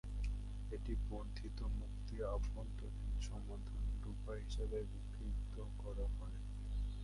একটি বর্ধিত-মুক্তি অভ্যন্তরীণ সমাধান ডুপা হিসাবে বিক্রি করা হয়।